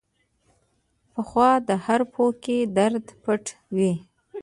پخو حرفو کې درد پټ وي